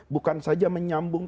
bukan saja menyambung